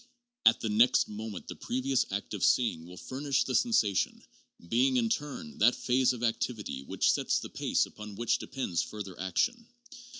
At the next moment the previous act of seeing will furnish the sensation, being, in turn, that phase of activity which sets the pace upon which depends further action.